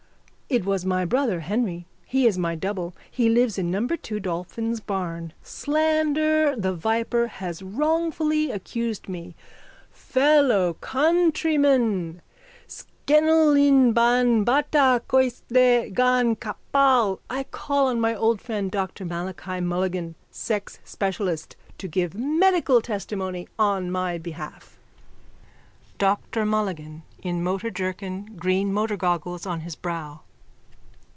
It was my brother Henry. He is my double. He lives in number 2 Dolphin's Barn. Slander, the viper, has wrongfully accused me. Fellowcountrymen, sgenl inn ban bata coisde gan capall. I call on my old friend, Dr Malachi Mulligan, sex specialist, to give medical testimony on my behalf. DR MULLIGAN: _(In motor jerkin, green motorgoggles on his brow.)